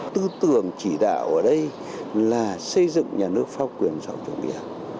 tư tưởng chỉ đạo ở đây là xây dựng nhà nước pháp quyền sau chủ nghĩa